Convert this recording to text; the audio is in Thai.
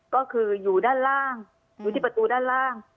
ก็คืออยู่ด้านล่างอยู่ที่ประตูด้านล่าง